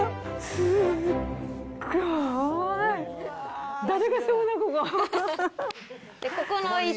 すっごい。